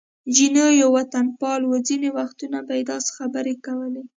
جینو یو وطنپال و، ځینې وختونه به یې داسې خبرې کولې.